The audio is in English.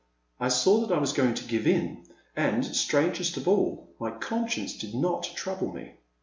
I saw that I was going to give in, and, strangest of all, my conscience did not trouble me.